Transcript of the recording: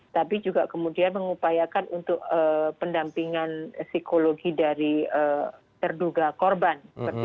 tapi juga kemudian mengupayakan untuk pendampingan psikologi dari terduga korban